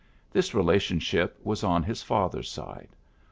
This rela tionship was on his father's side.